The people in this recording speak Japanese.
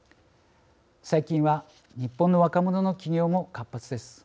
最近は日本の若者の起業も活発です。